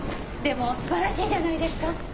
でも素晴らしいじゃないですか。